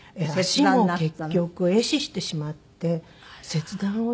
足も結局壊死してしまって切断をして。